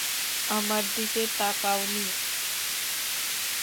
আমার দিকে তাকায়ওনি।